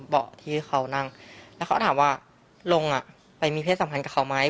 เบาะที่เขานั่งแล้วเขาถามว่าลงไปมีเพศสัมพันธ์กับเขาไหม